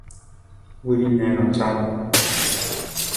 Wiʼri ne notzama.